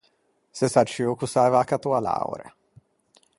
S’é sacciuo ch’o s’aiva accattou a laurea.